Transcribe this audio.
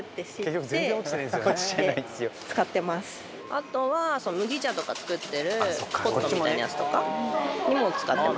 あとは麦茶とか作ってるポットみたいなやつとかにも使ってます。